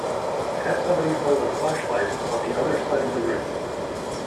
Have somebody hold a flashlight on the other side of the room.